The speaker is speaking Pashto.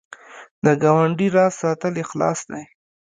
د ګاونډي راز ساتل اخلاص دی